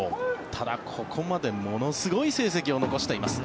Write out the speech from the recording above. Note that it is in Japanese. ただ、ここまでものすごい成績を残しています。